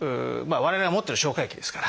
我々が持ってる消化液ですから。